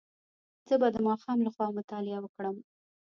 زه به د ماښام له خوا مطالعه وکړم.